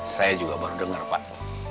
saya juga baru dengar pak